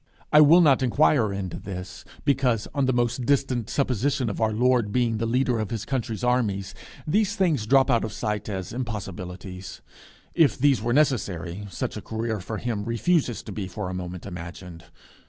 I will not inquire into this, because, on the most distant supposition of our Lord being the leader of his country's armies, these things drop out of sight as impossibilities. If these were necessary, such a career for him refuses to be for a moment imagined.